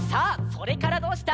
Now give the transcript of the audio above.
「それからどうした」